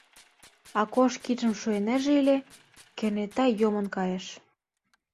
Акош кидшым шуйынеже ыле, кенета йомын кайыш.